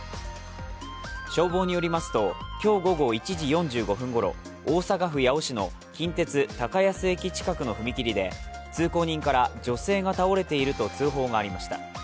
消防によりますと、今日午後１時４５分ごろ、大阪府八尾市の近鉄高安駅近くの踏切で通行人から、女性が倒れていると通報がありました。